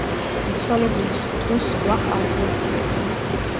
მიცვალებულის კუბოს ზღვა ხალხი აცილებდა.